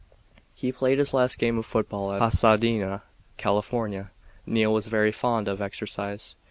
He played his last game of football at Pasadena, California. Neil was very fond of exercise.